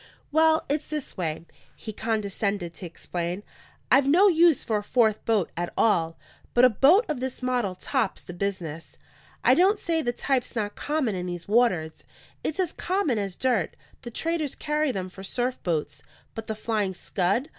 "Well, it's this way," he condescended to explain. "I've no use for a fourth boat at all; but a boat of this model tops the business. I don't say the type's not common in these waters; it's as common as dirt; the traders carry them for surf boats. But the Flying Scud?